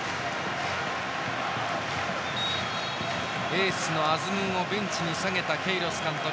エースのアズムンをベンチに下げたケイロス監督。